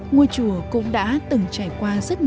ngôi chùa cũng đã từng trải qua rất nhiều